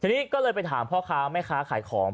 ทีนี้ก็เลยไปถามพ่อค้าแม่ค้าขายของ